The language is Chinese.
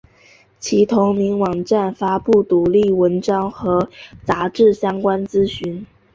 其同名网站发布独立文章和杂志相关资讯。